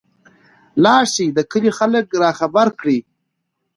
لاړشى د کلي خلک راخبر کړى.